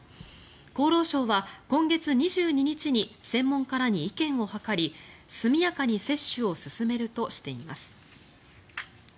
厚労省は今月２２日に専門家らに意見を諮り速やかに接種を進めるとしています。